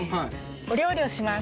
お料理をします。